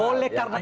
oleh karena ini